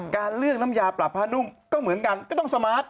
การเลือกน้ำยาปรับผ้านุ่มก็เหมือนกันก็ต้องสมาร์ท